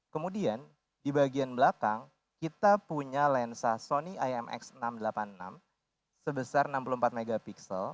kemudian di bagian belakang kita punya lensa sony imx enam ratus delapan puluh enam sebesar enam puluh empat mp